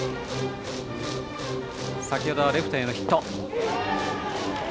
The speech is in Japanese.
先ほどはレフトへのヒット。